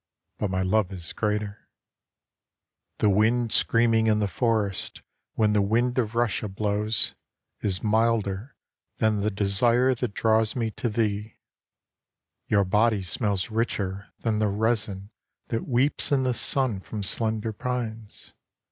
But my love is greater. IL The wind screaming in the forest when the wind of Russia blows Is milder than the desire that draws me to thee. 27 LOVE SONG « Your body smells richer than the resin That weeps in the sun from slender pines.